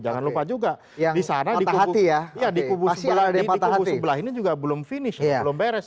jangan lupa juga di sana dikubur sebelah ini juga belum finish belum beres